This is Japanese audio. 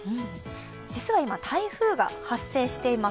実は今、台風が発生しています。